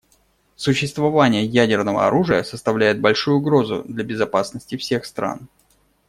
Существование ядерного оружия составляет большую угрозу для безопасности всех стран.